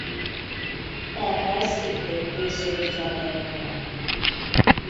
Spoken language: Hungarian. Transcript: Ehhez szintén készült zenei anyag.